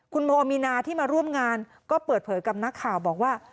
คุณโมมีนาที่มาร่วมงานก็เปิดเผยกับนักข่าวบอกว่า